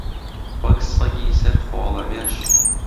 وەک سەگی سەر خۆڵەمێش